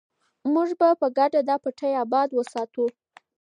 موږ به په ګډه دا پټی اباد وساتو.